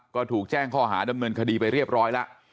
ก็ถูกแจ้งข้อหาดำเนินคดีไปเรียบร้อยแล้ว